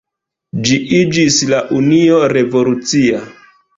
Ĝi iĝis la Unio Revolucia.